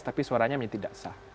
tapi suaranya tidak sah